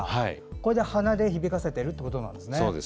これで鼻で響かせているってことなんですね。